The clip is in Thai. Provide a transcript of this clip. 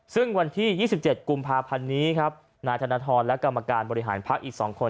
ซึ่งวันที่๒๗กุมภาพันธ์นี้ครับนายธนทรและกรรมการบริหารพักอีก๒คน